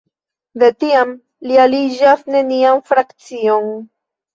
De tiam li aliĝas nenian frakcion.